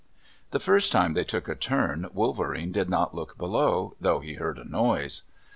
The first time they took a turn, Wolverene did not look below, though he heard a noise.